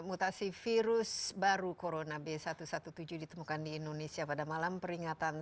mutasi virus baru corona b satu satu tujuh ditemukan di indonesia pada malam peringatan